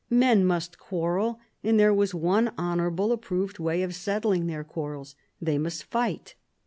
Men must quarrel, and there was one honourable, approved way of settling their quarrels : they must fight.